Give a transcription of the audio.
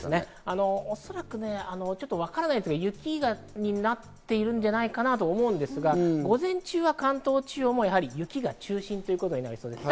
おそらく雪になっているんじゃないかなと思うんですが、午前中は関東地方も雪が中心ということです。